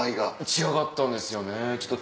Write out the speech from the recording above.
違かったんですよね。